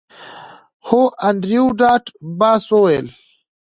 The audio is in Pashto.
هو انډریو ډاټ باس وویل